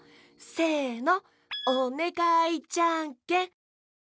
せの！